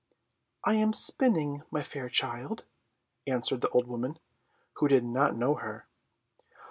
"I am spinning, my fair child," answered the old woman, who did not know her.